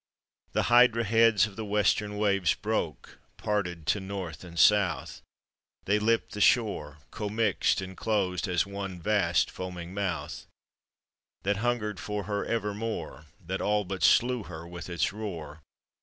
'' The hydra heads of the western waves Broke, parted to north and south, They lipped the shore, commixed, and closed As one vast, foaming mouth That hungered for her evermore, That all but slew her with its roar.